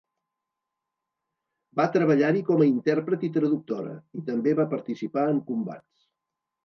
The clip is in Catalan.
Va treballar-hi com a intèrpret i traductora, i també va participar en combats.